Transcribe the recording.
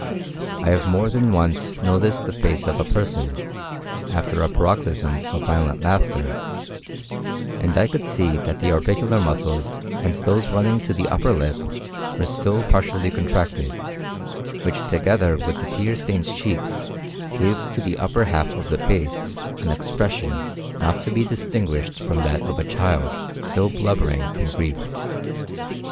I have more than once noticed the face of a person, after a paroxysm of violent laughter, and I could see that the orbicular muscles and those running to the upper lip were still partially contracted, which together with the tear stained cheeks gave to the upper half of the face an expression not to be distinguished from that of a child still blubbering from grief.